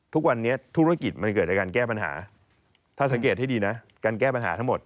ทุกวันนี้ธุรกิจมันเกิดจากการแก้ปัญหาถ้าสังเกตให้ดีนะการแก้ปัญหาทั้งหมด